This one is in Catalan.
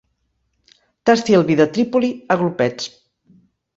Tasti el vi de Trípoli a glopets.